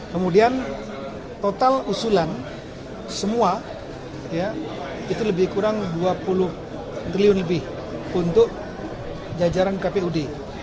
kemudian total usulan semua itu lebih kurang dua puluh triliun lebih untuk jajaran kpud